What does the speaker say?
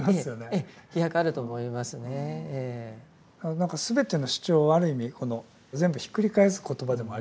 何か全ての主張をある意味全部ひっくり返す言葉でもありますよね。